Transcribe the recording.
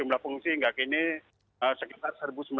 jumlah pengungsi hingga kini sekitar satu sembilan ratus